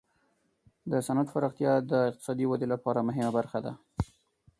د صنعت پراختیا د اقتصادي ودې لپاره مهمه برخه ده.